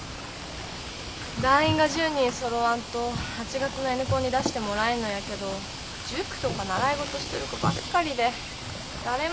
団員が１０人そろわんと８月のＮコンに出してもらえんのやけど塾とか習い事してる子ばっかりで誰も入ってくれんのよ。